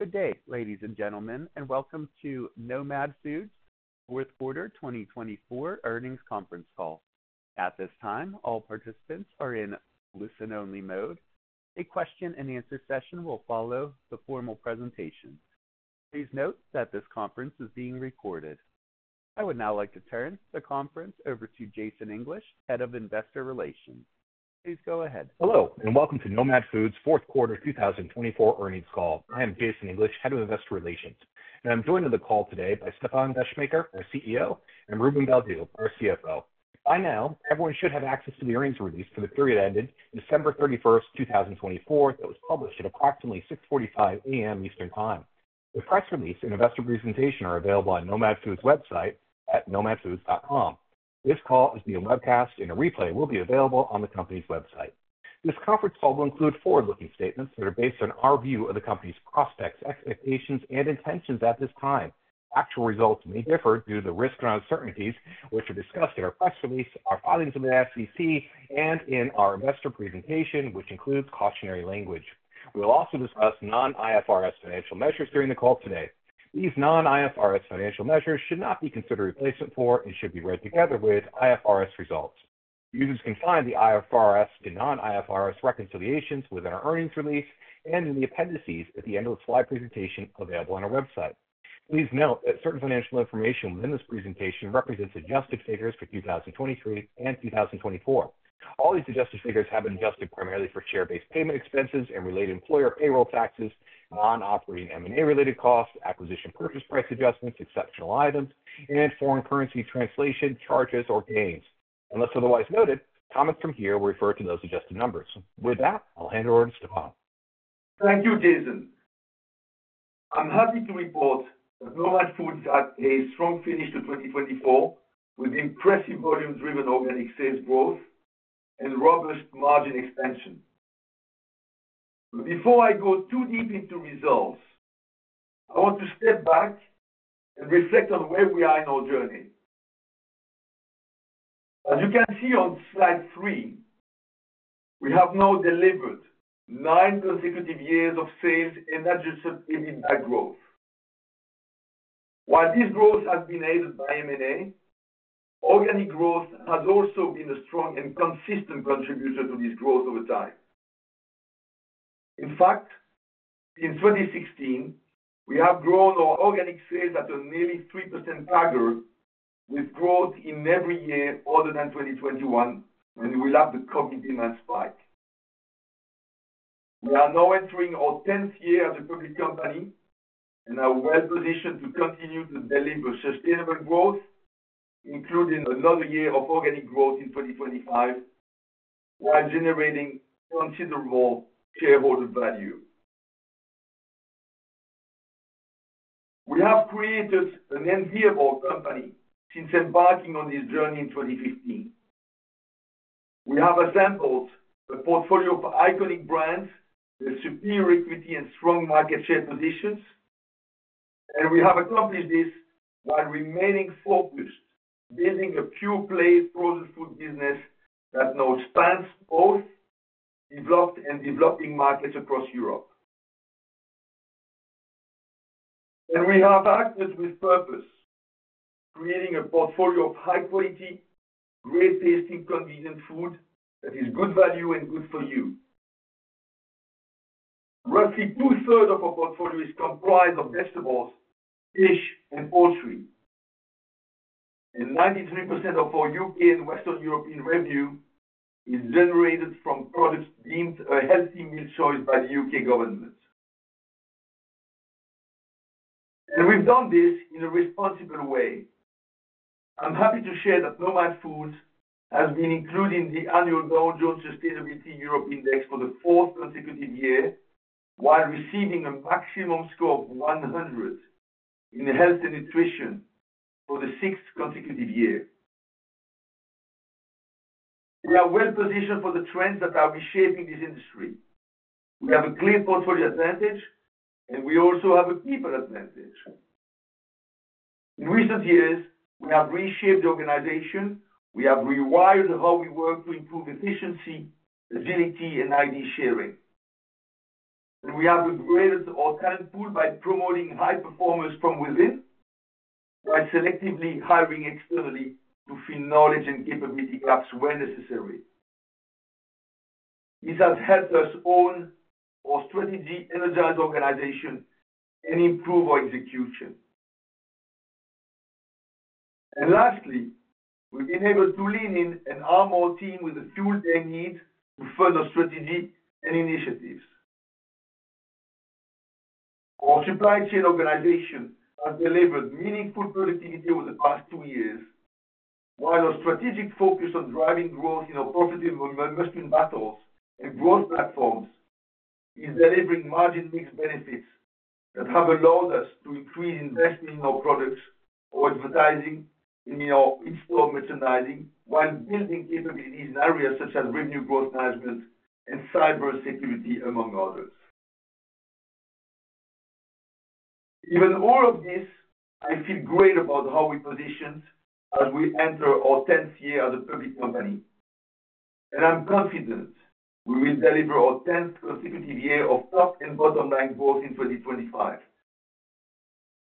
Good day, ladies and gentlemen, and welcome to Nomad Foods Q4 2024 Earnings Conference Call. At this time, all participants are in listen-only mode. A question and answer session will follow the formal presentation. Please note that this conference is being recorded. I would now like to turn the conference over to Jason English, Head of Investor Relations. Please go ahead. Hello, and welcome to Nomad Foods Q4 2024 earnings call. I am Jason English, Head of Investor Relations, and I'm joined on the call today by Stéfan Descheemaeker, our CEO, and Ruben Baldew, our CFO. By now, everyone should have access to the earnings release for the period ended December 31, 2024, that was published at approximately 6:45 A.M. Eastern Time. The press release and investor presentation are available on Nomad Foods' website at nomadfoods.com. This call is being webcast, and a replay will be available on the company's website. This conference call will include forward-looking statements that are based on our view of the company's prospects, expectations, and intentions at this time. Actual results may differ due to the risks and uncertainties which are discussed in our press release, our filings with the SEC, and in our investor presentation, which includes cautionary language. We'll also discuss non-IFRS financial measures during the call today. These non-IFRS financial measures should not be considered replacement for and should be read together with IFRS results. Users can find the IFRS to non-IFRS reconciliations within our earnings release and in the appendices at the end of the slide presentation available on our website. Please note that certain financial information within this presentation represents adjusted figures for 2023 and 2024. All these adjusted figures have been adjusted primarily for share-based payment expenses and related employer payroll taxes, non-operating M&A-related costs, acquisition purchase price adjustments, exceptional items, and foreign currency translation charges or gains. Unless otherwise noted, comments from here will refer to those adjusted numbers. With that, I'll hand it over to Stéfan. Thank you, Jason. I'm happy to report that Nomad Foods had a strong finish to 2024 with impressive volume-driven organic sales growth and robust margin expansion. But before I go too deep into results, I want to step back and reflect on where we are in our journey. As you can see on slide three, we have now delivered nine consecutive years of sales and Adjusted EBITDA growth. While this growth has been aided by M&A, organic growth has also been a strong and consistent contributor to this growth over time. In fact, since 2016, we have grown our organic sales at a nearly 3% target, with growth in every year other than 2021 when we lapped the COVID demand spike. We are now entering our 10th year as a public company and are well-positioned to continue to deliver sustainable growth, including another year of organic growth in 2025, while generating considerable shareholder value. We have created an enviable company since embarking on this journey in 2015. We have assembled a portfolio of iconic brands with superior equity and strong market share positions, and we have accomplished this while remaining focused on building a pure-play frozen food business that now spans both developed and developing markets across Europe. We have acted with purpose, creating a portfolio of high-quality, great-tasting, convenient food that is good value and good for you. Roughly 2/3 of our portfolio is comprised of vegetables, fish, and poultry, and 93% of our U.K. and Western European revenue is generated from products deemed a healthy meal choice by the U.K. government. We've done this in a responsible way. I'm happy to share that Nomad Foods has been included in the annual Dow Jones Sustainability Europe Index for the fourth consecutive year, while receiving a maximum score of 100 in health and nutrition for the sixth consecutive year. We are well-positioned for the trends that are reshaping this industry. We have a clear portfolio advantage, and we also have a people advantage. In recent years, we have reshaped the organization. We have rewired how we work to improve efficiency, agility, and idea sharing and we have upgraded our talent pool by promoting high performers from within while selectively hiring externally to fill knowledge and capability gaps where necessary. This has helped us own our strategy, energize organization, and improve our execution. Lastly, we've been able to lean in and arm our team with the fuel they need to further strategy and initiatives. Our supply chain organization has delivered meaningful productivity over the past two years, while our strategic focus on driving growth in our profitable Must-Win Battles and Growth Platforms is delivering margin mixed benefits that have allowed us to increase investment in our products, our advertising, and in our in-store merchandising, while building capabilities in areas such as revenue growth management and cybersecurity, among others. Given all of this, I feel great about how we positioned as we enter our 10th year as a public company, and I'm confident we will deliver our 10th consecutive year of top and bottom-line growth in 2025.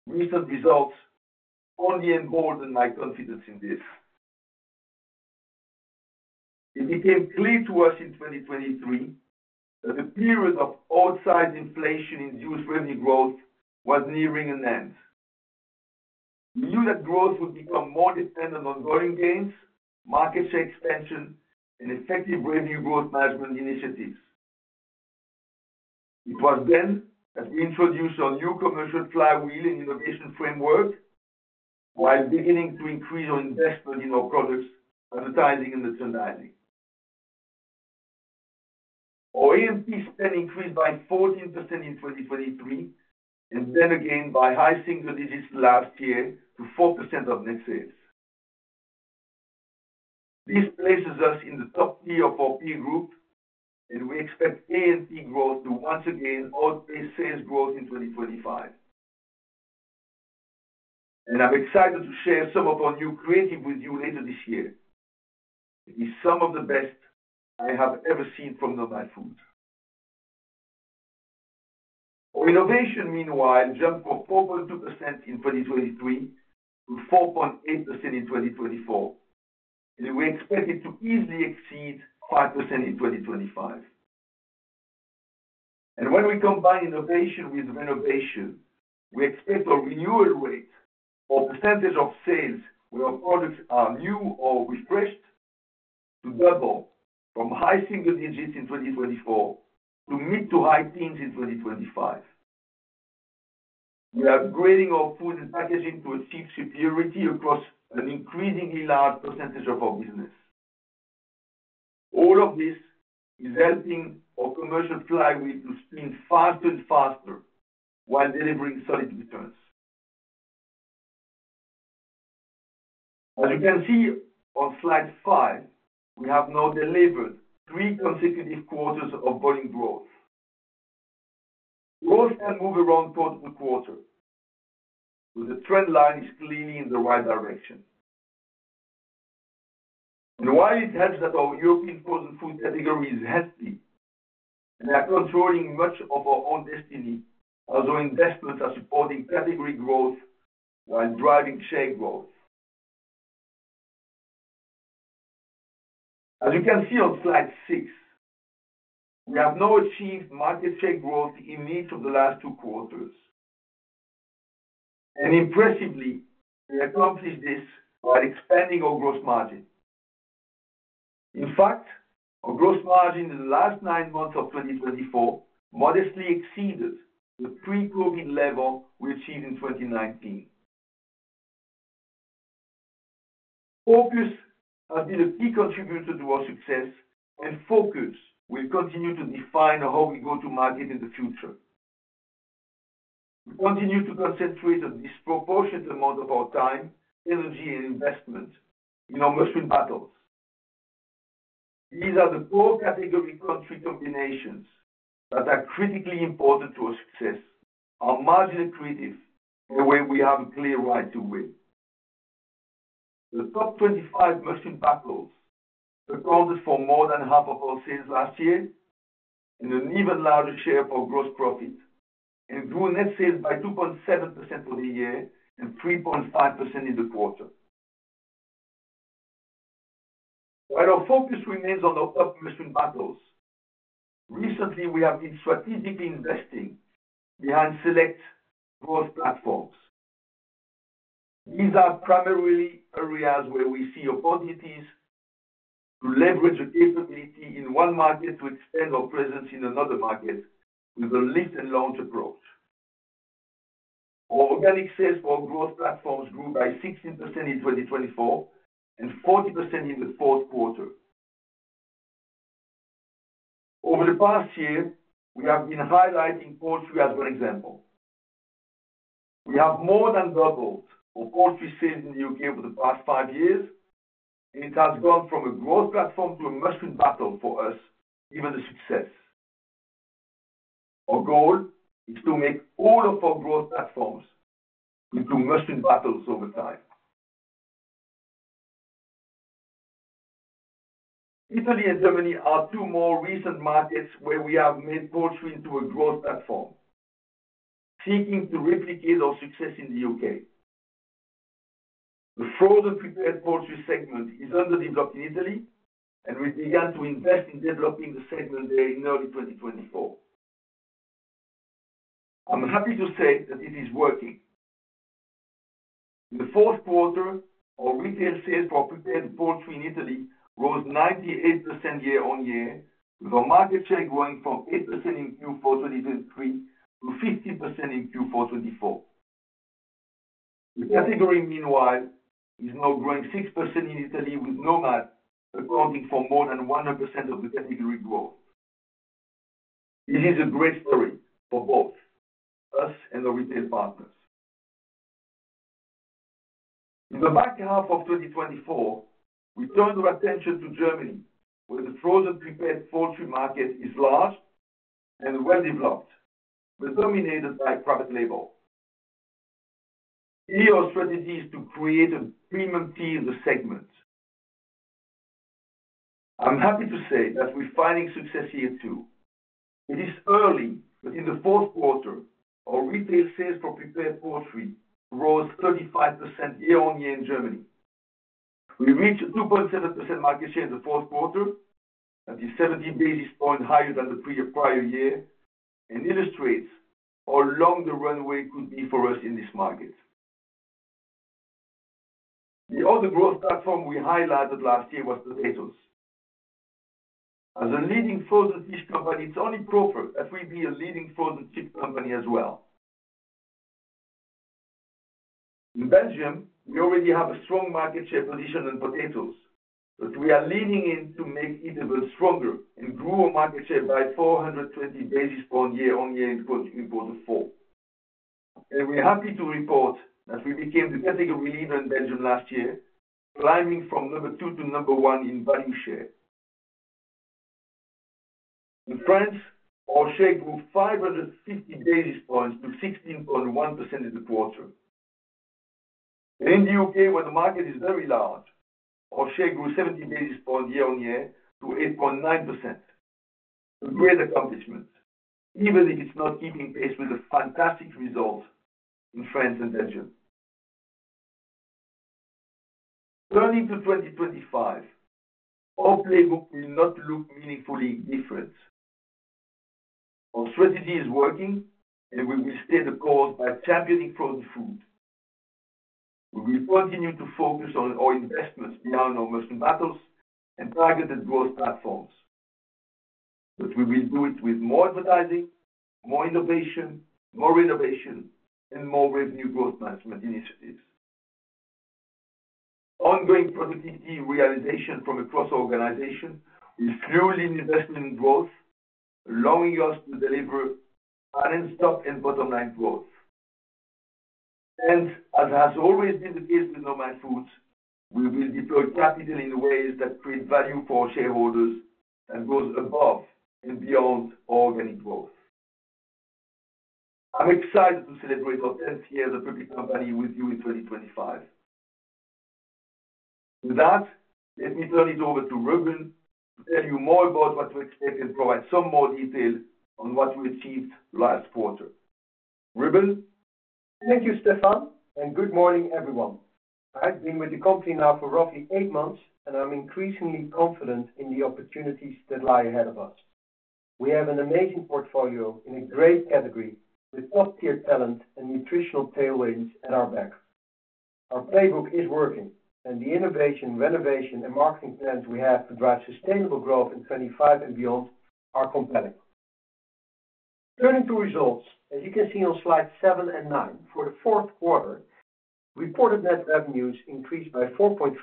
Recent results only embolden my confidence in this. It became clear to us in 2023 that the period of outsized inflation-induced revenue growth was nearing an end. We knew that growth would become more dependent on volume gains, market share expansion, and effective revenue growth management initiatives. It was then that we introduced our new Commercial Flywheel and innovation framework, while beginning to increase our investment in our products, advertising, and merchandising. Our A&P spend increased by 14% in 2023 and then again by high single digits last year to 4% of net sales. This places us in the top tier of our peer group, and we expect A&P growth to once again outpace sales growth in 2025, and I'm excited to share some of our new creative with you later this year. It is some of the best I have ever seen from Nomad Foods. Our innovation, meanwhile, jumped from 4.2% in 2023 to 4.8% in 2024, and we expect it to easily exceed 5% in 2025. When we combine innovation with renovation, we expect our renewal rate, our percentage of sales where our products are new or refreshed, to double from high single digits in 2024 to mid to high teens in 2025. We are upgrading our food and packaging to achieve superiority across an increasingly large percentage of our business. All of this is helping our Commercial Flywheel to spin faster and faster while delivering solid returns. As you can see on slide five, we have now delivered three consecutive quarters of volume growth. Growth can move around quarter to quarter, but the trend line is clearly in the right direction. While it helps that our European frozen food category is healthy and are controlling much of our own destiny, our investments are supporting category growth while driving share growth. As you can see on slide six, we have now achieved market share growth in each of the last two quarters, and impressively, we accomplished this by expanding our gross margin. In fact, our gross margin in the last nine months of 2024 modestly exceeded the pre-COVID level we achieved in 2019. Focus has been a key contributor to our success, and focus will continue to define how we go to market in the future. We continue to concentrate a disproportionate amount of our time, energy, and investment in our Must-Win Battles. These are the core category country combinations that are critically important to our success, our margin accretive, and where we have a clear right to win. The top 25 Must-Win Battles accounted for more than half of our sales last year and an even larger share of our gross profit, and grew net sales by 2.7% for the year and 3.5% in the quarter. While our focus remains on our top Must-Win Battles, recently we have been strategically investing behind Growth Platforms. these are primarily areas where we see opportunities to leverage the capability in one market to extend our presence in another market with a lift-and-launch approach. Our organic sales for Growth Platforms grew by 16% in 2024 and 40% in the Q4. Over the past year, we have been highlighting poultry as one example. We have more than doubled our poultry sales in the U.K. over the past five years, and it has gone from a growth platform to a Must-Win Battle for us given the success. Our goal is to make all of Growth Platforms into Must-Win Battles over time. Italy and Germany are two more recent markets where we have made poultry into a growth platform, seeking to replicate our success in the U.K.. The frozen prepared poultry segment is underdeveloped in Italy, and we began to invest in developing the segment there in early 2024. I'm happy to say that it is working. In the Q4, our retail sales for prepared poultry in Italy rose 98% year-on-year, with our market share growing from 8% in Q4 2023 to 15% in Q4 2024. The category, meanwhile, is now growing 6% in Italy, with Nomad accounting for more than 100% of the category growth. It is a great story for both us and our retail partners. In the back half of 2024, we turned our attention to Germany, where the frozen prepared poultry market is large and well-developed, but dominated by private label. Here are strategies to create a premium tier in the segment. I'm happy to say that we're finding success here too. It is early, but in the Q4, our retail sales for prepared poultry rose 35% year-on-year in Germany. We reached a 2.7% market share in the Q4, that is 17 basis points higher than the prior year, and illustrates how long the runway could be for us in this market. The other growth platform we highlighted last year was potatoes. As a leading frozen fish company, it's only proper that we be a leading frozen chip company as well. In Belgium, we already have a strong market share position in potatoes, but we are leaning in to make EBITDA stronger and grow our market share by 420 basis points year-on-year in Q4, and we're happy to report that we became the category leader in Belgium last year, climbing from number two to number one in value share. In France, our share grew 550 basis points to 16.1% in the quarter, and in the U.K., where the market is very large, our share grew 70 basis points year-on-year to 8.9%. A great accomplishment, even if it's not keeping pace with the fantastic results in France and Belgium. Turning to 2025, our playbook will not look meaningfully different. Our strategy is working, and we will stay the course by championing frozen food. We will continue to focus on our investments beyond our Must-Win Battles and Growth Platforms, but we will do it with more advertising, more innovation, more renovation, and more revenue growth management initiatives. Ongoing productivity realization from across our organization will fuel investment and growth, allowing us to deliver unending top and bottom-line growth. As has always been the case with Nomad Foods, we will deploy capital in ways that create value for our shareholders and go above and beyond our organic growth. I'm excited to celebrate our 10th year as a public company with you in 2025. With that, let me turn it over to Ruben to tell you more about what to expect and provide some more detail on what we achieved last quarter. Ruben? Thank you, Stéfan, and good morning, everyone. I've been with the company now for roughly eight months, and I'm increasingly confident in the opportunities that lie ahead of us. We have an amazing portfolio in a great category with top-tier talent and nutritional tailwinds at our back. Our playbook is working, and the innovation, renovation, and marketing plans we have to drive sustainable growth in 2025 and beyond are compelling. Turning to results, as you can see on slides seven and nine, for the Q4, reported net revenues increased by 4.3%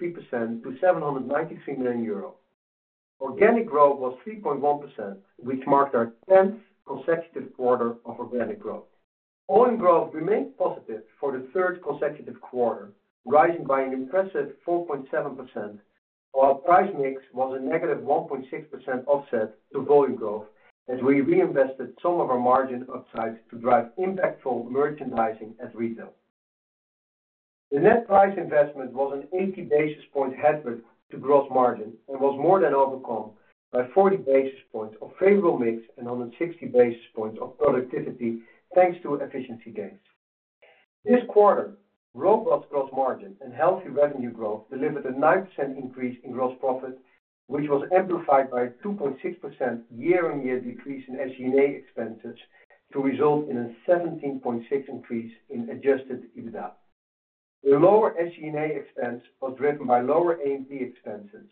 to 793 million euro. Organic growth was 3.1%, which marked our 10th consecutive quarter of organic growth. Volume growth remained positive for the third consecutive quarter, rising by an impressive 4.7%, while price mix was a negative 1.6% offset to volume growth as we reinvested some of our margin upside to drive impactful merchandising at retail. The net price investment was an 80 basis point headwind to gross margin and was more than overcome by 40 basis points of favorable mix and 160 basis points of productivity thanks to efficiency gains. This quarter, robust gross margin and healthy revenue growth delivered a 9% increase in gross profit, which was amplified by a 2.6% year-on-year decrease in SG&A expenses to result in a 17.6% increase in Adjusted EBITDA. The lower SG&A expense was driven by lower A&P expenses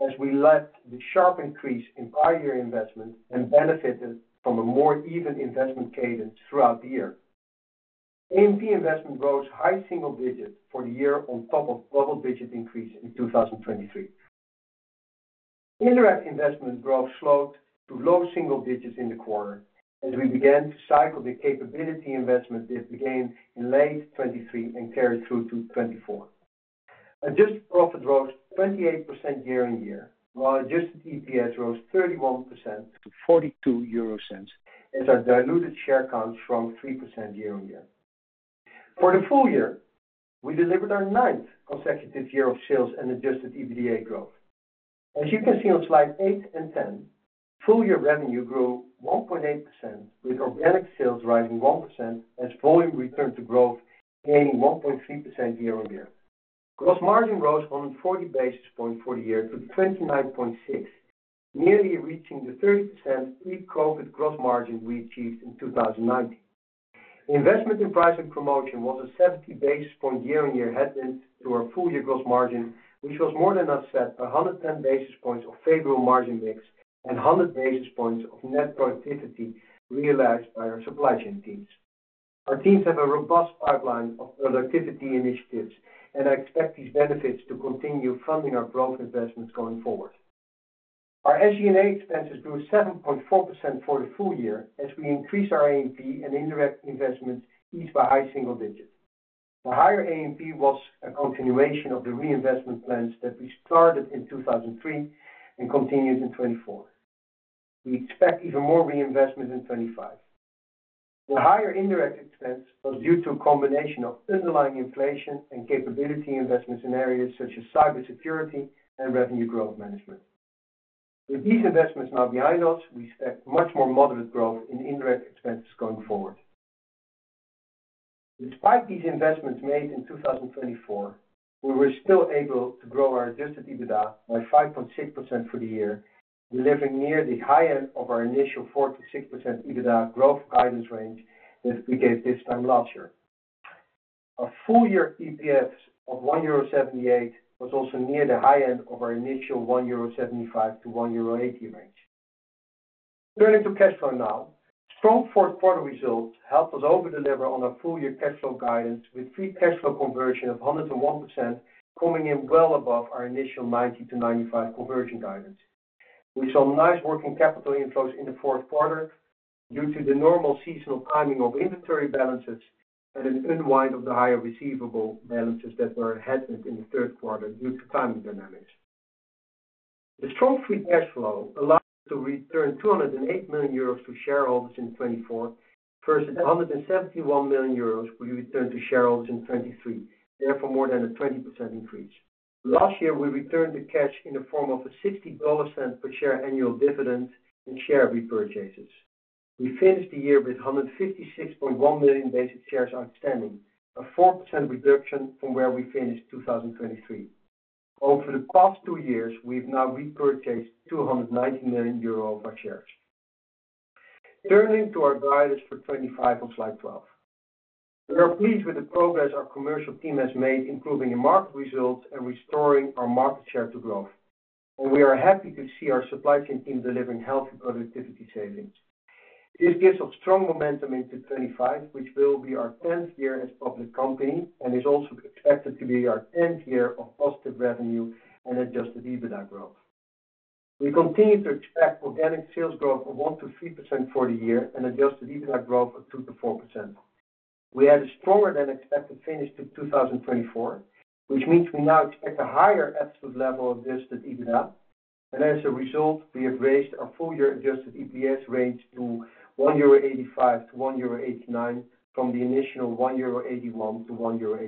as we left the sharp increase in prior year investment and benefited from a more even investment cadence throughout the year. A&P investment rose high single digits for the year on top of double digit increase in 2023. Indirect investment growth slowed to low single digits in the quarter as we began to cycle the capability investment that began in late 2023 and carried through to 2024. Adjusted Profit rose 28% year-on-year, while Adjusted EPS rose 31% to 0.42 as our diluted share count shrunk 3% year-on-year. For the full year, we delivered our ninth consecutive year of sales and Adjusted EBITDA growth. As you can see on slides eight and 10, full-year revenue grew 1.8%, with organic sales rising 1% as volume returned to growth, gaining 1.3% year-on-year. Gross margin rose 140 basis points for the year to 29.6%, nearly reaching the 30% pre-COVID gross margin we achieved in 2019. Investment in price and promotion was a 70 basis points year-on-year headwind to our full year gross margin, which was more than offset by 110 basis points of favorable margin mix and 100 basis points of net productivity realized by our supply chain teams. Our teams have a robust pipeline of productivity initiatives, and I expect these benefits to continue funding our growth investments going forward. Our SG&A expenses grew 7.4% for the full year as we increased our A&P and indirect investments each by high single digit. The higher A&P was a continuation of the reinvestment plans that we started in 2003 and continued in 2024. We expect even more reinvestment in 2025. The higher indirect expense was due to a combination of underlying inflation and capability investments in areas such as cybersecurity and revenue growth management. With these investments now behind us, we expect much more moderate growth in indirect expenses going forward. Despite these investments made in 2024, we were still able to grow our Adjusted EBITDA by 5.6% for the year, delivering near the high end of our initial 4.6% EBITDA growth guidance range that we gave this time last year. Our full year EPS of €1.78 was also near the high end of our initial 1.75-1.80 euro range. Turning to cash flow now, strong Q4 results helped us overdeliver on our full year cash flow guidance, with Free Cash Flow Conversion of 101% coming in well above our initial 90%-95% conversion guidance. We saw nice working capital inflows in the Q4 due to the normal seasonal timing of inventory balances and an unwind of the higher receivable balances that were a headwind in the Q3 due to timing dynamics. The strong free cash flow allowed us to return 208 million euros to shareholders in 2024 versus 171 million euros we returned to shareholders in 2023, therefore more than a 20% increase. Last year, we returned the cash in the form of a $0.60 per share annual dividend and share repurchases. We finished the year with 156.1 million basic shares outstanding, a 4% reduction from where we finished 2023. Over the past two years, we have now repurchased 290 million euro of our shares. Turning to our guidance for 2025 on slide 12, we are pleased with the progress our commercial team has made in proving the market results and restoring our market share to growth, and we are happy to see our supply chain team delivering healthy productivity savings. This gives us strong momentum into 2025, which will be our 10th year as a public company and is also expected to be our 10th year of positive revenue and Adjusted EBITDA growth. We continue to expect organic sales growth of 1%-3% for the year and Adjusted EBITDA growth of 2%-4%. We had a stronger-than-expected finish to 2024, which means we now expect a higher absolute level of Adjusted EBITDA, and as a result, we have raised our full year Adjusted EPS range to 1.85-1.89 euro from the initial 1.81-1.85 euro.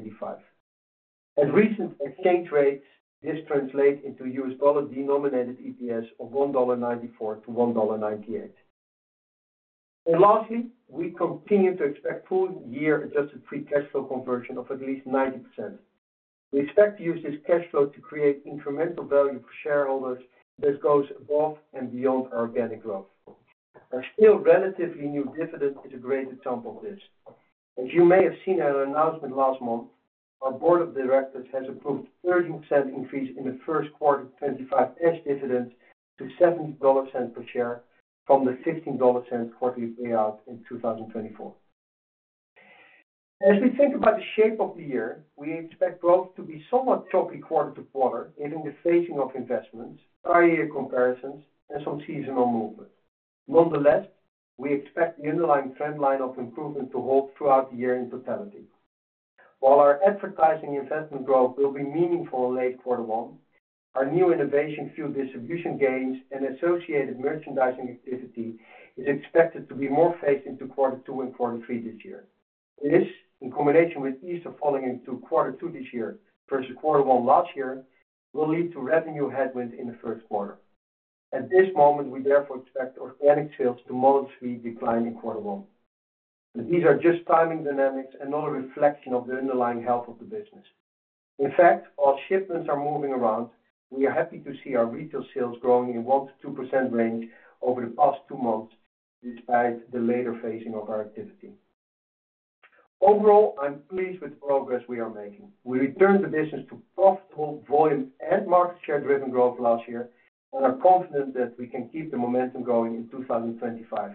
At recent exchange rates, this translates into U.S. dollar denominated EPS of $1.94-$1.98. Lastly, we continue to expect full year Adjusted Free Cash Flow Conversion of at least 90%. We expect to use this cash flow to create incremental value for shareholders that goes above and beyond our organic growth. Our still relatively new dividend is a great example of this. As you may have seen at our announcement last month, our board of directors has approved a 13% increase in the Q1 2025 dividend to $0.70 per share from the $0.15 quarterly payout in 2024. As we think about the shape of the year, we expect growth to be somewhat choppy quarter to quarter, given the phasing of investments, prior year comparisons, and some seasonal movement. Nonetheless, we expect the underlying trend line of improvement to hold throughout the year in totality. While our advertising investment growth will be meaningful in late quarter one, our new innovation fuel distribution gains and associated merchandising activity is expected to be more phased into quarter two and quarter three this year. This, in combination with Easter falling into quarter two this year versus quarter one last year, will lead to revenue headwinds in the Q1. At this moment, we therefore expect organic sales to modestly decline in quarter one. But these are just timing dynamics and not a reflection of the underlying health of the business. In fact, while shipments are moving around, we are happy to see our retail sales growing in a 1%-2% range over the past two months despite the later phasing of our activity. Overall, I'm pleased with the progress we are making. We returned the business to profitable volume and market share-driven growth last year and are confident that we can keep the momentum going in 2025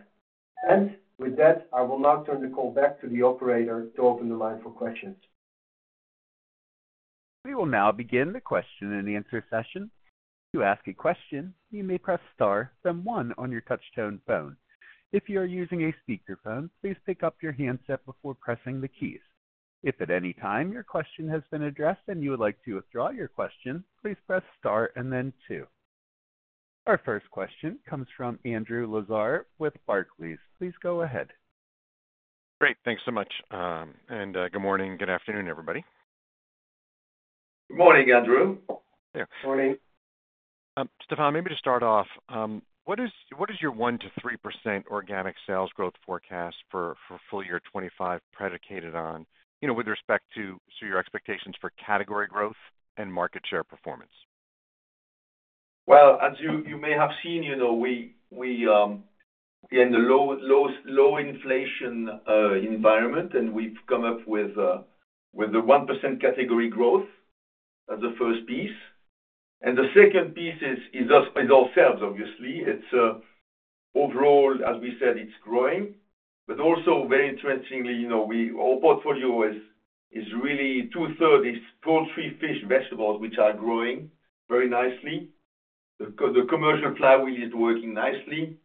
and with that, I will now turn the call back to the operator to open the line for questions. We will now begin the question and answer session. To ask a question, you may press star then one on your touch-tone phone. If you are using a speakerphone, please pick up your handset before pressing the keys. If at any time your question has been addressed and you would like to withdraw your question, please press star and then two. Our first question comes from Andrew Lazar with Barclays. Please go ahead. Great. Thanks so much, and good morning and good afternoon, everybody. Good morning, Andrew. Good morning. Stéfan, maybe to start off, what is your 1%-3% organic sales growth forecast for full year 2025 predicated on, with respect to your expectations for category growth and market share performance? Well, as you may have seen, we are in the low inflation environment, and we've come up with the 1% category growth as the first piece. The second piece is ourselves, obviously. Overall, as we said, it's growing. Also, very interestingly, our portfolio is really two-thirds is poultry, fish, vegetables, which are growing very nicely. The Commercial Flywheel is working nicely.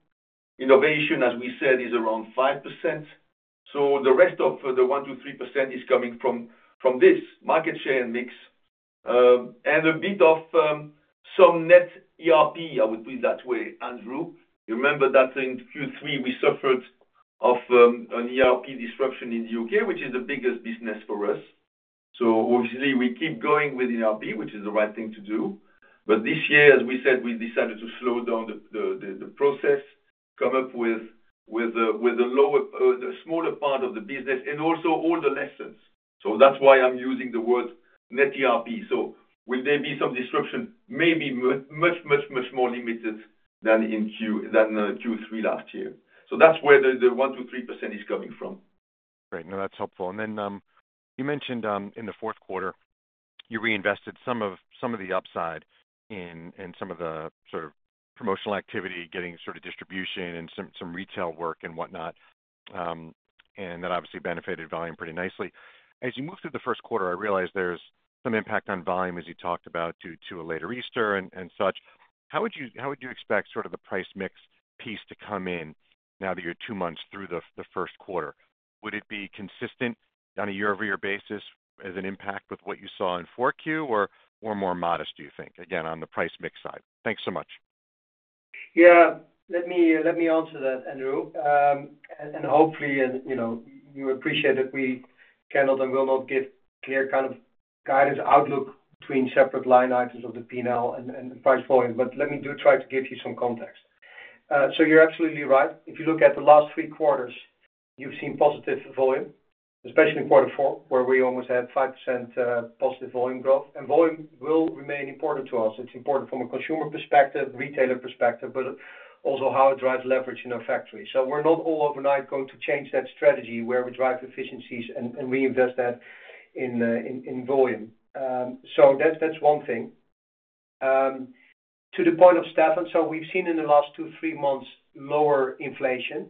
Innovation, as we said, is around 5%. The rest of the 1%-3% is coming from this market share and mix. A bit of some net ERP, I would put it that way, Andrew. You remember that in Q3, we suffered of an ERP disruption in the U.K., which is the biggest business for us. Obviously, we keep going with ERP, which is the right thing to do. This year, as we said, we decided to slow down the process, come up with a smaller part of the business, and also all the lessons. That's why I'm using the word net ERP. So will there be some disruption? Maybe much, much, much more limited than in Q3 last year. So that's where the 1%-3% is coming from. Great. No, that's helpful. Then you mentioned in the Q4, you reinvested some of the upside in some of the sort of promotional activity, getting sort of distribution and some retail work and whatnot, and that obviously benefited volume pretty nicely. As you move through the Q1, I realize there's some impact on volume, as you talked about, to a later Easter and such. How would you expect sort of the price mix piece to come in now that you're two months through the Q1? Would it be consistent on a year-over-year basis as an impact with what you saw in 4Q, or more modest, do you think, again, on the price mix side? Thanks so much. Yeah. Let me answer that, Andrew. Hopefully, you appreciate that we cannot and will not give clear kind of guidance outlook between separate line items of the P&L and price volume. But let me do try to give you some context. So you're absolutely right. If you look at the last three quarters, you've seen positive volume, especially in Q4, where we almost had 5% positive volume growth and volume will remain important to us. It's important from a consumer perspective, retailer perspective, but also how it drives leverage in our factory. So we're not all overnight going to change that strategy where we drive efficiencies and reinvest that in volume. So that's one thing. To the point of Stéfan, so we've seen in the last two, three months lower inflation,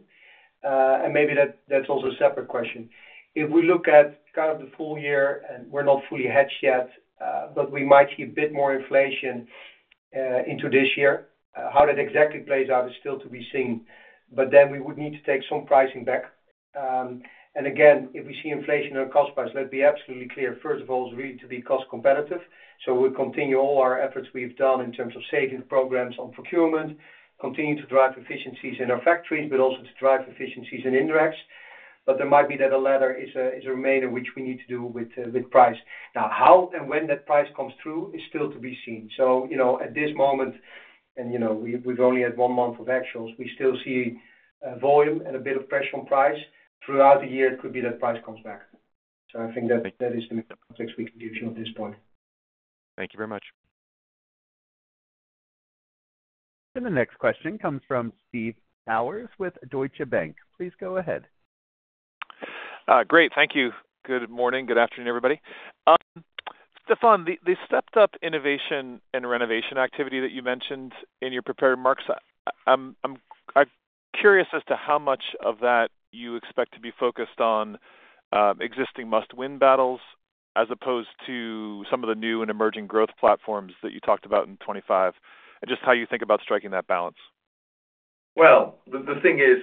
and maybe that's also a separate question. If we look at kind of the full year, and we're not fully hedged yet, but we might see a bit more inflation into this year. How that exactly plays out is still to be seen. But then we would need to take some pricing back. Again, if we see inflation in our cost price, let's be absolutely clear. First of all, it's really to be cost competitive. So we'll continue all our efforts we've done in terms of savings programs on procurement, continue to drive efficiencies in our factories, but also to drive efficiencies in indirects. But there might be that a delta remains which we need to recover with price. Now, how and when that price comes through is still to be seen. So at this moment, and we've only had one month of actuals, we still see volume and a bit of pressure on price. Throughout the year, it could be that price comes back. So I think that is the main context we can give you at this point. Thank you very much. The next question comes from Steve Powers with Deutsche Bank. Please go ahead. Great. Thank you. Good morning. Good afternoon, everybody. Stéfan, the stepped-up innovation and renovation activity that you mentioned in your prepared remarks, I'm curious as to how much of that you expect to be focused on existing Must-Win Battles as opposed to some of the new and Growth Platforms that you talked about in 2025, and just how you think about striking that balance. Well, the thing is,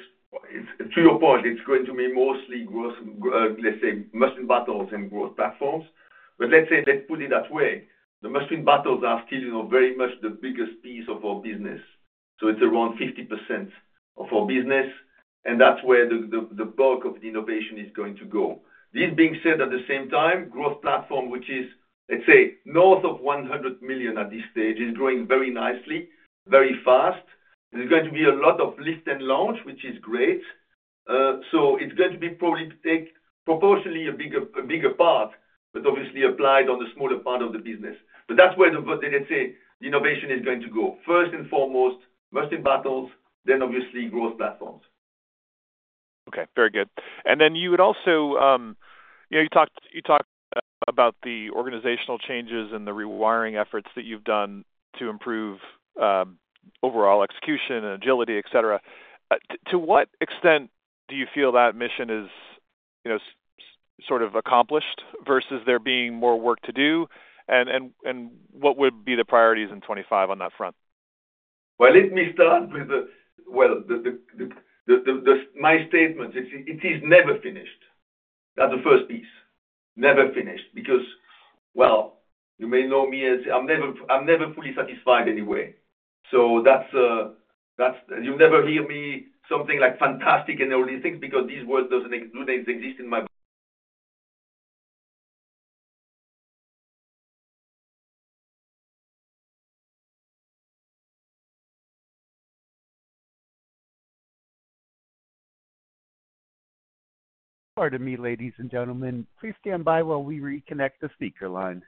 to your point, it's going to be mostly, let's say, Must-Win Battles Growth Platforms. but let's put it that way. The Must-Win Battles are still very much the biggest piece of our business. So it's around 50% of our business, and that's where the bulk of the innovation is going to go. This being said, at the same Growth Platforms, which is, let's say, north of $100 million at this stage, is growing very nicely, very fast. There's going to be a lot of lift and launch, which is great. So it's going to be probably proportionally a bigger part, but obviously applied on the smaller part of the business. But that's where, let's say, the innovation is going to go. First and foremost, Must-Win Battles, then obviously Growth Platforms. Okay. Very good. Then you would also talked about the organizational changes and the rewiring efforts that you've done to improve overall execution and agility, etc. To what extent do you feel that mission is sort of accomplished versus there being more work to do, and what would be the priorities in 2025 on that front? Well, let me start with the well, my statement, it is never finished. That's the first piece. Never finished because, well, you may know me as I'm never fully satisfied anyway. So you'll never hear me something like fantastic and all these things because these words don't exist in my mind. Pardon me, ladies and gentlemen. Please stand by while we reconnect the speaker line.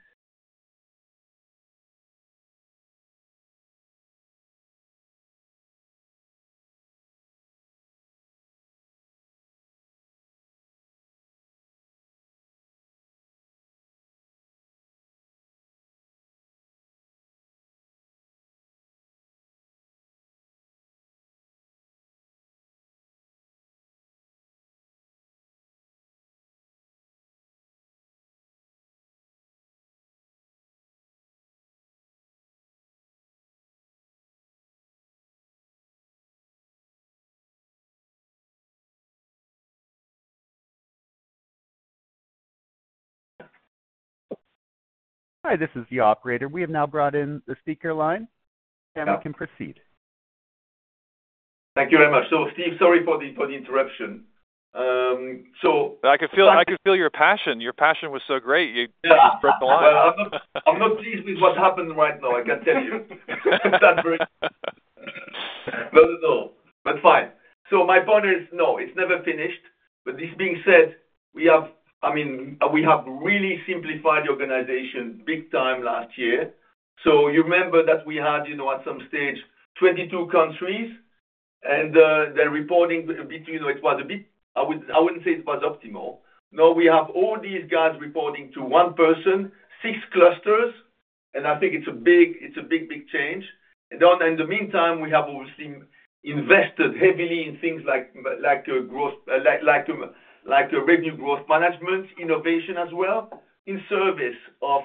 Hi, this is the operator. We have now brought in the speaker line. We can proceed. Thank you very much. So Steve, sorry for the interruption. So- I could feel your passion. Your passion was so great. You just broke the line. I'm not pleased with what's happened right now, I can tell you. No, no, no. But fine. So my point is, no, it's never finished. But this being said, I mean, we have really simplified the organization big time last year. So you remember that we had, at some stage, 22 countries, and they're reporting. It was a bit. I wouldn't say it was optimal. Now we have all these guys reporting to one person, six clusters, and I think it's a big, big change. In the meantime, we have obviously invested heavily in things like revenue growth management, innovation as well, in service of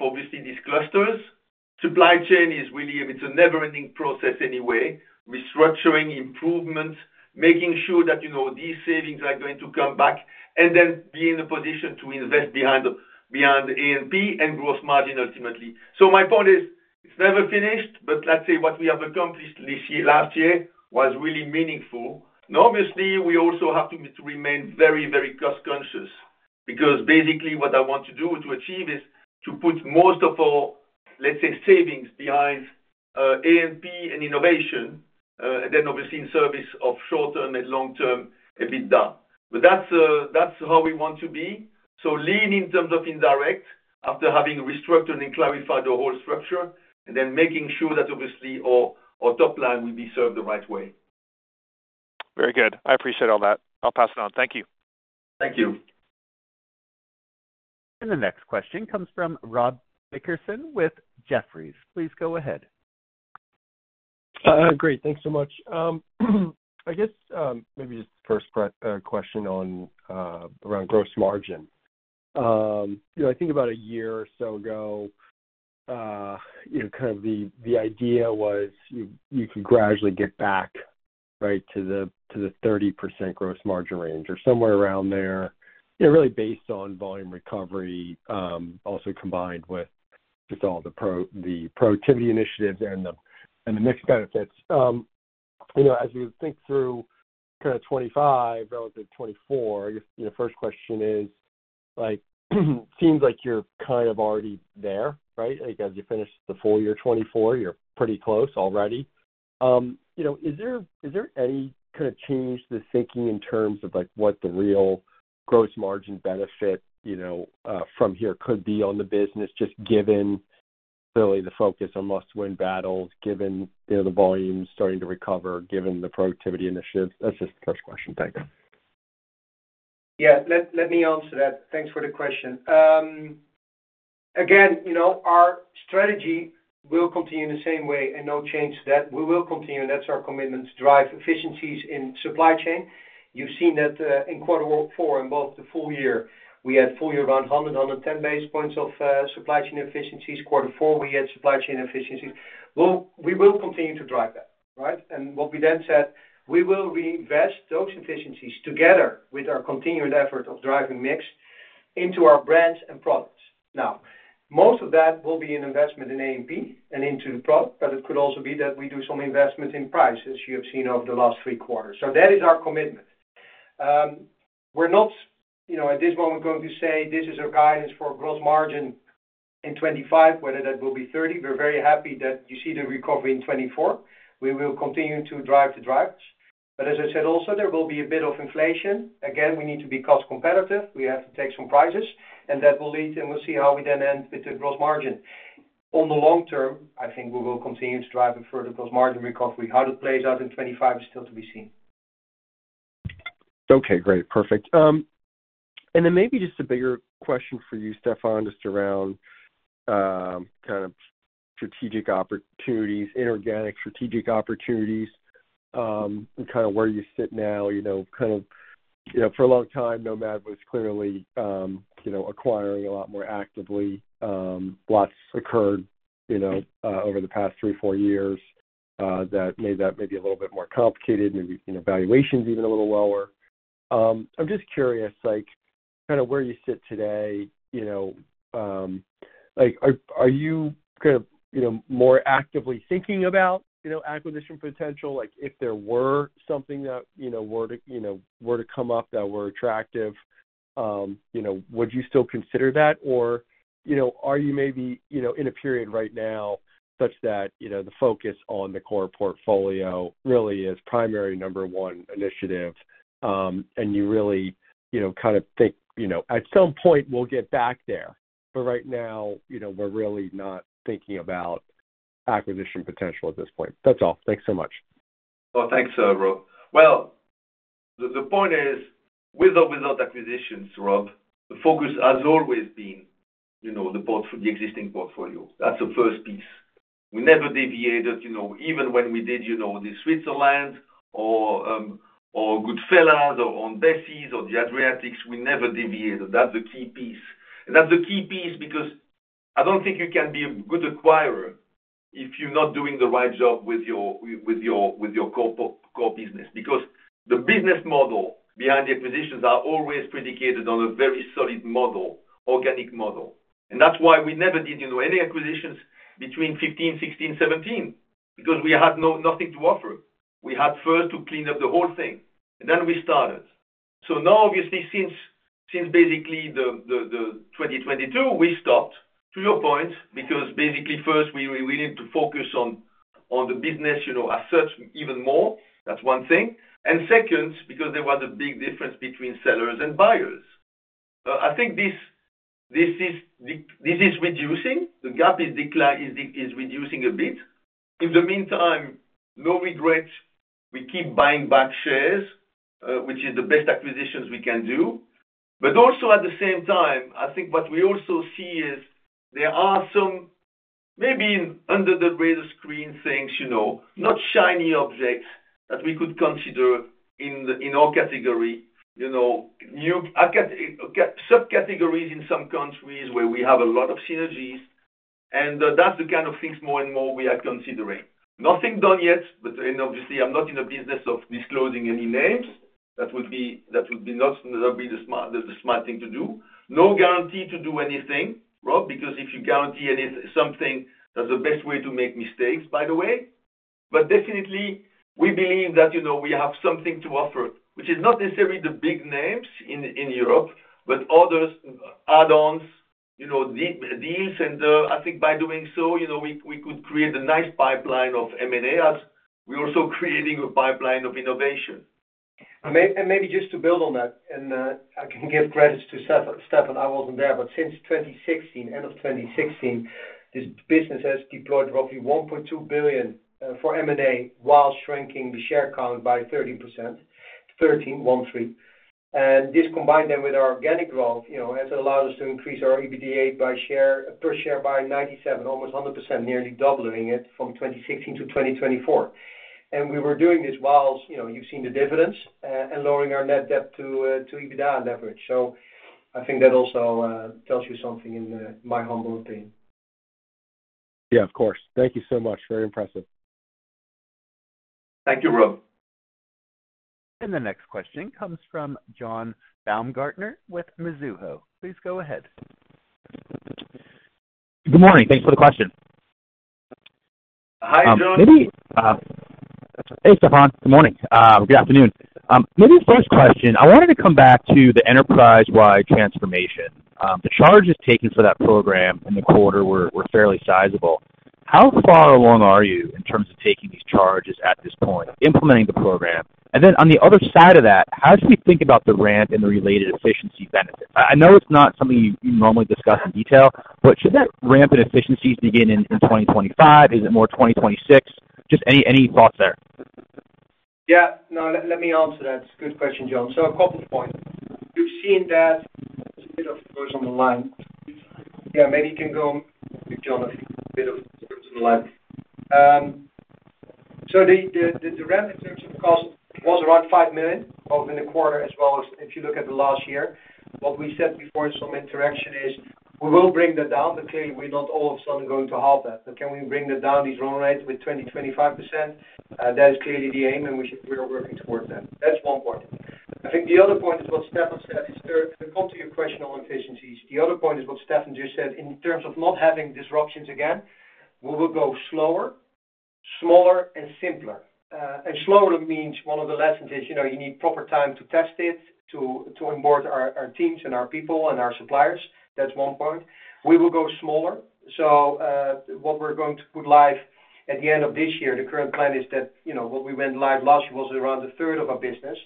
obviously these clusters. Supply chain is really a never-ending process anyway, restructuring, improvements, making sure that these savings are going to come back, and then be in a position to invest behind A&P and gross margin ultimately. So my point is, it's never finished, but let's say what we have accomplished last year was really meaningful. Obviously, we also have to remain very, very cost-conscious because basically what I want to do to achieve is to put most of our, let's say, savings behind A&P and innovation, and then obviously in service of short-term and long-term a bit done. But that's how we want to be. So lean in terms of indirect after having restructured and clarified the whole structure, and then making sure that obviously our top line will be served the right way. Very good. I appreciate all that. I'll pass it on. Thank you. Thank you. The next question comes from Rob Dickerson with Jefferies. Please go ahead. Great. Thanks so much. I guess maybe just the first question around gross margin. I think about a year or so ago, kind of the idea was you could gradually get back to the 30% gross margin range or somewhere around there, really based on volume recovery, also combined with all the productivity initiatives and the mix benefits. As we think through kind of 2025 relative to 2024, I guess the first question is, it seems like you're kind of already there, right? As you finish the full year 2024, you're pretty close already. Is there any kind of change to the thinking in terms of what the real gross margin benefit from here could be on the business, just given really the focus on Must-Win Battles, given the volume starting to recover, given the productivity initiatives? That's just the first question. Thanks. Yeah. Let me answer that. Thanks for the question. Again, our strategy will continue in the same way, and no change to that. We will continue, and that's our commitment to drive efficiencies in supply chain. You've seen that in quarter four and both the full year. We had full year around 100, 110 basis points of supply chain efficiencies. Q4, we had supply chain efficiencies. We will continue to drive that, right? What we then said, we will reinvest those efficiencies together with our continued effort of driving mix into our brands and products. Now, most of that will be an investment in A&P and into the product, but it could also be that we do some investment in price, as you have seen over the last three quarters. So that is our commitment. We're not, at this moment, going to say this is our guidance for gross margin in 2025, whether that will be 2030. We're very happy that you see the recovery in 2024. We will continue to drive the drivers. But as I said also, there will be a bit of inflation. Again, we need to be cost competitive. We have to take some prices, and that will lead, and we'll see how we then end with the gross margin. On the long term, I think we will continue to drive a further gross margin recovery. How it plays out in 2025 is still to be seen. Okay. Great. Perfect. Then maybe just a bigger question for you, Stéfan, just around kind of strategic opportunities, inorganic strategic opportunities, and kind of where you sit now. Kind of for a long time, Nomad was clearly acquiring a lot more actively. Lots occurred over the past three, four years that made that maybe a little bit more complicated, maybe valuations even a little lower. I'm just curious kind of where you sit today. Are you kind of more actively thinking about acquisition potential? If there were something that were to come up that were attractive, would you still consider that? Or are you maybe in a period right now such that the focus on the core portfolio really is primary number one initiative, and you really kind of think, "At some point, we'll get back there." But right now, we're really not thinking about acquisition potential at this point. That's all. Thanks so much. Well, thanks, Rob. Well, the point is, with or without acquisitions, Rob, the focus has always been the existing portfolio. That's the first piece. We never deviated. Even when we did the Switzerland or Goodfella's or Aunt Bessie's or the Adriatic, we never deviated. That's the key piece. That's the key piece because I don't think you can be a good acquirer if you're not doing the right job with your core business because the business model behind the acquisitions are always predicated on a very solid model, organic model. That's why we never did any acquisitions between 2015, 2016, 2017, because we had nothing to offer. We had first to clean up the whole thing, and then we started. So now, obviously, since basically the 2022, we stopped, to your point, because basically first, we need to focus on the business as such even more. That's one thing. Second, because there was a big difference between sellers and buyers. I think this is reducing. The gap is reducing a bit. In the meantime, no regrets. We keep buying back shares, which is the best acquisitions we can do. But also at the same time, I think what we also see is there are some maybe under the radar screen things, not shiny objects that we could consider in our category, subcategories in some countries where we have a lot of synergies and that's the kind of things more and more we are considering. Nothing done yet, and obviously, I'm not in a business of disclosing any names. That would be not the smart thing to do. No guarantee to do anything, Rob, because if you guarantee something, that's the best way to make mistakes, by the way. But definitely, we believe that we have something to offer, which is not necessarily the big names in Europe, but others, add-ons, deal center. I think by doing so, we could create a nice pipeline of M&As. We're also creating a pipeline of innovation. Maybe just to build on that, and I can give credit to Stéfan. I wasn't there, but since 2016, end of 2016, this business has deployed roughly 1.2 billion for M&A while shrinking the share count by 13%. This combined then with our organic growth has allowed us to increase our EBITDA per share by 97%, almost 100%, nearly doubling it from 2016 to 2024 and we were doing this while you've seen the dividends and lowering our net debt to EBITDA leverage. So I think that also tells you something in my humble opinion. Yeah, of course. Thank you so much. Very impressive. Thank you, Rob. The next question comes from John Baumgartner with Mizuho. Please go ahead. Good morning. Thanks for the question. Hi, John. Hey, Stéfan. Good morning. Good afternoon. Maybe first question, I wanted to come back to the enterprise-wide transformation. The charges taken for that program in the quarter were fairly sizable. How far along are you in terms of taking these charges at this point, implementing the program? Then on the other side of that, how should we think about the ramp and the related efficiency benefits? I know it's not something you normally discuss in detail, but should that ramp in efficiencies begin in 2025? Is it more 2026? Just any thoughts there? Yeah. No, let me answer that. It's a good question, John. So a couple of points. You've seen that. Bit of noise on the line. Yeah, maybe you can mute John, bit of noise on the line. So the ramp in terms of cost was around €5 million over the quarter as well as if you look at the last year. What we said before in some interaction is we will bring that down, but clearly, we're not all of a sudden going to half that, but can we bring that down, these run rates with 20%-25%? That is clearly the aim, and we are working towards that. That's one point. I think the other point is what Stéfan said is to come to your question on efficiencies. The other point is what Stéfan just said in terms of not having disruptions again. We will go slower, smaller, and simpler, and slower means one of the lessons is you need proper time to test it, to onboard our teams and our people and our suppliers. That's one point. We will go smaller. So what we're going to put live at the end of this year, the current plan is that what we went live last year was around a third of our business.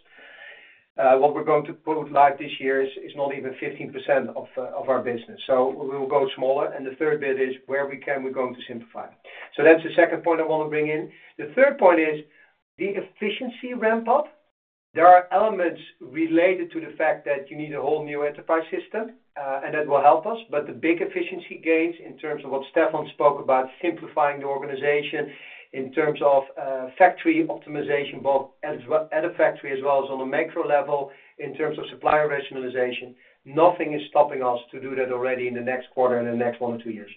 What we're going to put live this year is not even 15% of our business. So we will go smaller. The third bit is where can we go to simplify? So that's the second point I want to bring in. The third point is the efficiency ramp-up. There are elements related to the fact that you need a whole new enterprise system, and that will help us. But the big efficiency gains in terms of what Stéfan spoke about, simplifying the organization in terms of factory optimization both at a factory as well as on a micro level in terms of supplier rationalization, nothing is stopping us to do that already in the next quarter and the next one or two years.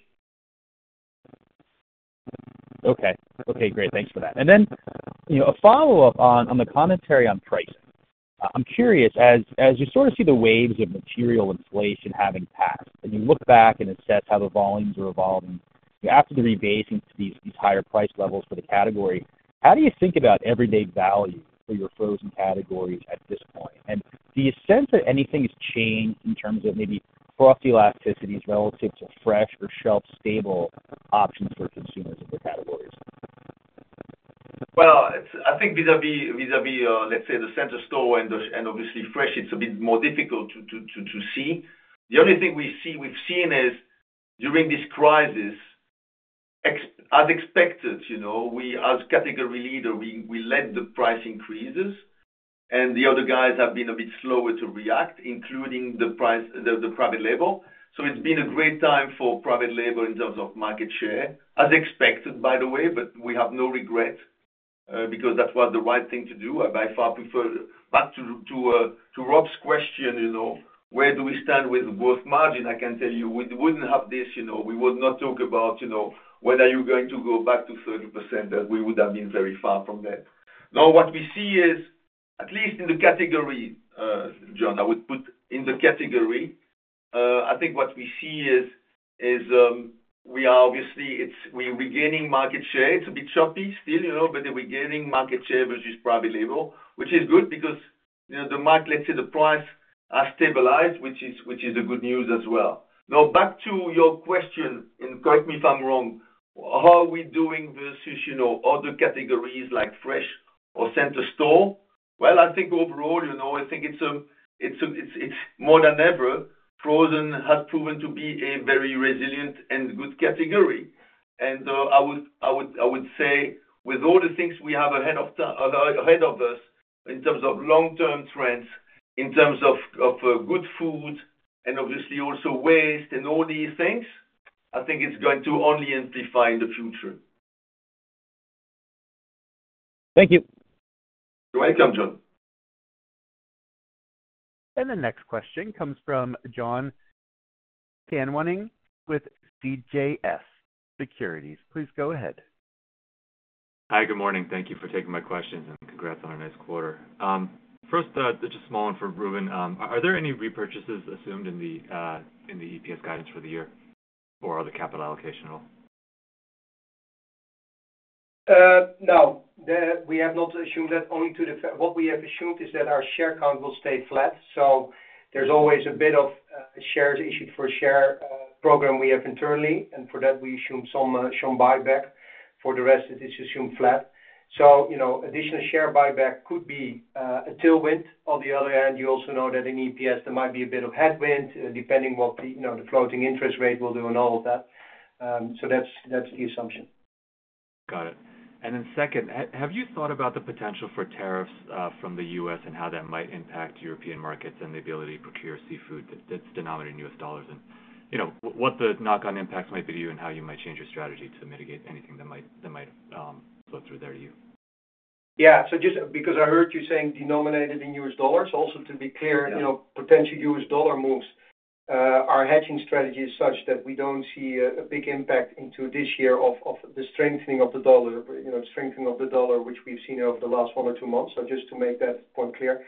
Okay. Okay. Great. Thanks for that. Then a follow-up on the commentary on pricing. I'm curious, as you sort of see the waves of material inflation having passed and you look back and assess how the volumes are evolving after the rebasing to these higher price levels for the category, how do you think about everyday value for your frozen categories at this point? Do you sense that anything has changed in terms of maybe frothy elasticities relative to fresh or shelf-stable options for consumers of the categories? I think vis-à-vis, let's say, the center store and obviously fresh, it's a bit more difficult to see. The only thing we've seen is during this crisis, as expected, as category leader, we led the price increases, and the other guys have been a bit slower to react, including the private label. So it's been a great time for private label in terms of market share, as expected, by the way, but we have no regret because that was the right thing to do. I by far prefer back to Rob's question, where do we stand with the gross margin? I can tell you we wouldn't have this. We would not talk about whether you're going to go back to 30%. We would have been very far from that. Now, what we see is, at least in the category, John, I would put in the category. I think what we see is we are obviously regaining market share. It's a bit choppy still, but the regaining market share versus private label, which is good because the market, let's say, the price has stabilized, which is the good news as well. Now, back to your question, and correct me if I'm wrong, how are we doing versus other categories like fresh or center store? Well, I think overall, I think it's more than ever. Frozen has proven to be a very resilient and good category, and I would say with all the things we have ahead of us in terms of long-term trends, in terms of good food, and obviously also waste and all these things, I think it's going to only amplify in the future. Thank you. You're welcome, John. The next question comes from Jon Tanwanteng with CJS Securities. Please go ahead. Hi, good morning. Thank you for taking my questions and congrats on our next quarter. First, just a small one for Ruben. Are there any repurchases assumed in the EPS guidance for the year or other capital allocation at all? No. We have not assumed that. Only what we have assumed is that our share count will stay flat. So there's always a bit of shares issued for share program we have internally and for that, we assume some buyback. For the rest, it is assumed flat. So additional share buyback could be a tailwind. On the other hand, you also know that in EPS, there might be a bit of headwind depending what the floating interest rate will do and all of that. So that's the assumption. Got it. Then second, have you thought about the potential for tariffs from the U.S. and how that might impact European markets and the ability to procure seafood that's denominated in U.S. dollars and what the knock-on impacts might be to you and how you might change your strategy to mitigate anything that might float through there to you? Yeah. So just because I heard you saying denominated in U.S. dollars, also to be clear, potential U.S. dollar moves, our hedging strategy is such that we don't see a big impact into this year of the strengthening of the dollar, which we've seen over the last one or two months. So just to make that point clear.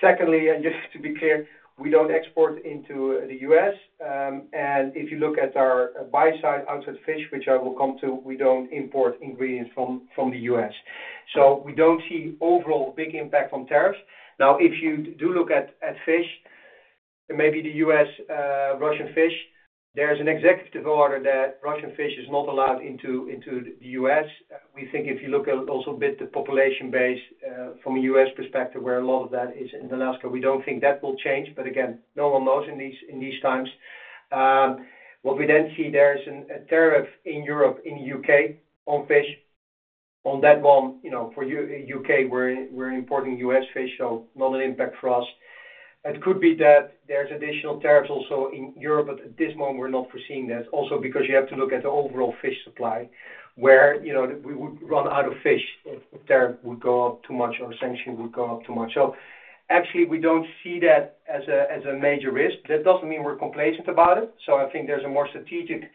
Secondly, and just to be clear, we don't export into the U.S. If you look at our supply side outside fish, which I will come to, we don't import ingredients from the U.S. So we don't see overall big impact from tariffs. Now, if you do look at fish, maybe the U.S., Russian fish, there's an executive order that Russian fish is not allowed into the U.S. We think if you look also a bit at the supply base from a U.S. perspective, where a lot of that is in Alaska, we don't think that will change. But again, no one knows in these times. What we then see, there's a tariff in Europe, in the U.K. on fish. On that one, for U.K., we're importing U.S. fish, so not an impact for us. It could be that there's additional tariffs also in Europe, but at this moment, we're not foreseeing that. Also because you have to look at the overall fish supply, where we would run out of fish if the tariff would go up too much or sanction would go up too much. So actually, we don't see that as a major risk. That doesn't mean we're complacent about it. So I think there's a more strategic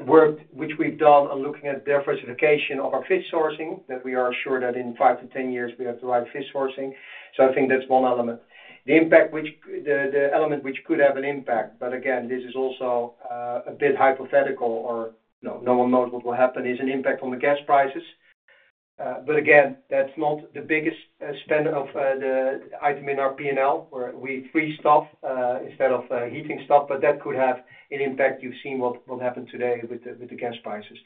work, which we've done on looking at diversification of our fish sourcing, that we are sure that in five to 10 years, we have the right fish sourcing. So I think that's one element. The element which could have an impact, but again, this is also a bit hypothetical or no one knows what will happen, is an impact on the gas prices. But again, that's not the biggest spend of the item in our P&L, where we freeze stuff instead of heating stuff, but that could have an impact. You've seen what happened today with the gas prices.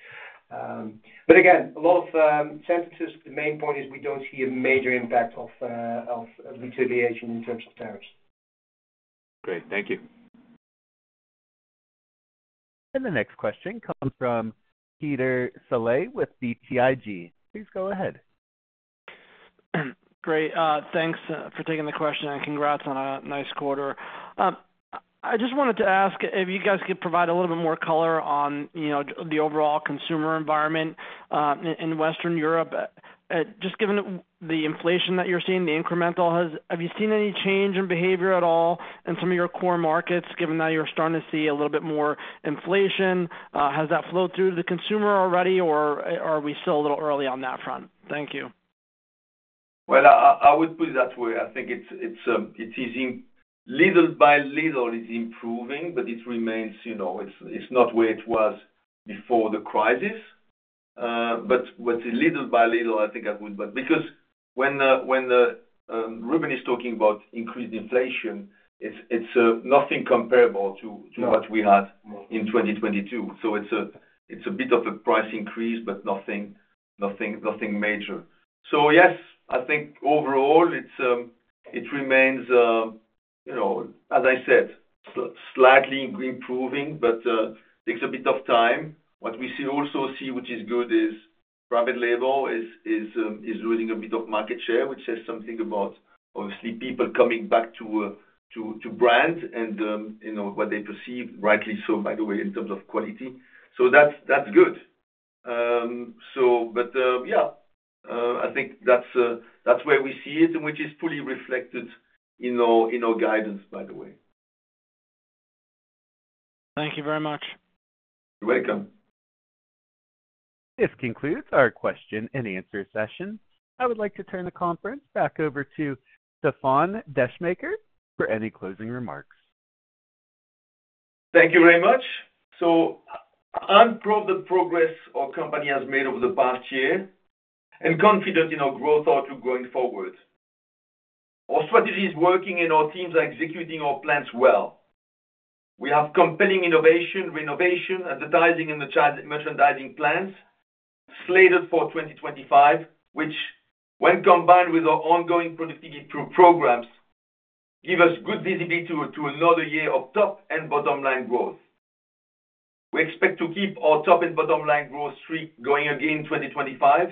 But again, a lot of sentences. The main point is we don't see a major impact of retaliation in terms of tariffs. Great. Thank you. The next question comes from Peter Saleh with BTIG. Please go ahead. Great. Thanks for taking the question and congrats on a nice quarter. I just wanted to ask if you guys could provide a little bit more color on the overall consumer environment in Western Europe. Just given the inflation that you're seeing, the incremental, have you seen any change in behavior at all in some of your core markets, given that you're starting to see a little bit more inflation? Has that flowed through to the consumer already, or are we still a little early on that front? Thank you. Well, I would put it that way. I think it's easing. Little by little, it's improving, but it remains. It's not where it was before the crisis. But with the little by little, I think I would because when Ruben is talking about increased inflation, it's nothing comparable to what we had in 2022. So it's a bit of a price increase, but nothing major. So yes, I think overall, it remains, as I said, slightly improving, but it takes a bit of time. What we also see, which is good, is private label is losing a bit of market share, which says something about, obviously, people coming back to brand and what they perceive, rightly so, by the way, in terms of quality. So that's good. But yeah, I think that's where we see it, which is fully reflected in our guidance, by the way. Thank you very much. You're welcome. This concludes our question and answer session. I would like to turn the conference back over to Stéfan Descheemaeker for any closing remarks. Thank you very much. So I'm proud of the progress our company has made over the past year and confident in our growth outlook going forward. Our strategy is working, and our teams are executing our plans well. We have compelling innovation, renovation, advertising, and merchandising plans slated for 2025, which, when combined with our ongoing productivity programs, give us good visibility to another year of top and bottom-line growth. We expect to keep our top and bottom-line growth streak going again in 2025,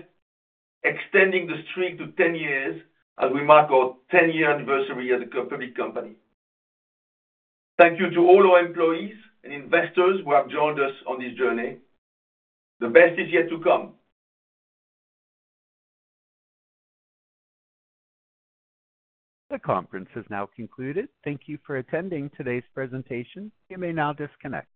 extending the streak to 10 years as we mark our 10-year anniversary as a public company. Thank you to all our employees and investors who have joined us on this journey. The best is yet to come. The conference has now concluded. Thank you for attending today's presentation. You may now disconnect.